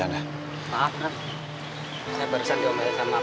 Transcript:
udah sadar sama bubbah ini